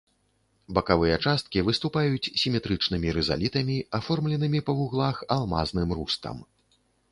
Бакавыя часткі выступаюць сіметрычнымі рызалітамі, аформленымі па вуглах алмазным рустам.